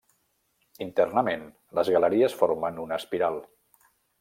Internament, les galeries formen una espiral.